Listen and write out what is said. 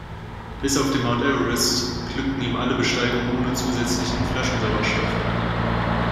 Bis auf den Mount Everest glückten ihm alle Besteigungen ohne zusätzlichen Flaschensauerstoff.